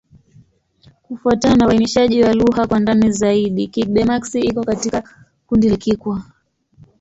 Kufuatana na uainishaji wa lugha kwa ndani zaidi, Kigbe-Maxi iko katika kundi la Kikwa.